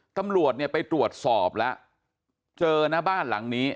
ตำรวจเนี่ยไปตรวจสอบแล้วเจอนะบ้านหลังนี้